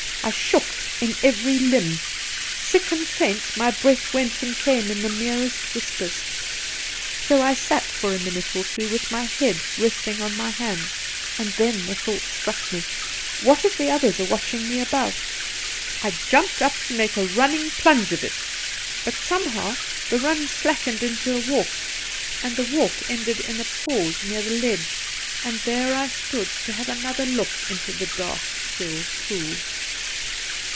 I shook in every limb ; sick and faint, my breath went and came in the merest whispers. So I sat for a minute or two with my head rest ing on my hands, and then the thought struck me, ' What if the others are watching me above 1' I jumped up to make a running plunge of it, but, somehow, the run slackened into a walk, and the walk ended in a pause near the ledge, and' there I stood to have another look into the dark, still pool.